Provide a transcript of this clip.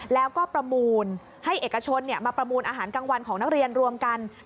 แล้วก็ประมูลให้เอกชนมาประมูลอาหารกลางวันของนักเรียนรวมกัน